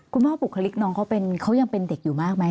บุคลิกน้องเขายังเป็นเด็กอยู่มากไหม